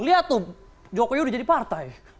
lihat dong jokowi udah jadi partai